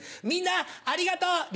みんなありがとう！